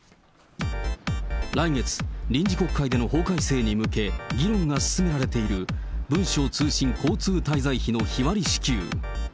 来月、臨時国会での法改正に向け、が進められている、文書通信交通滞在費の日割り支給。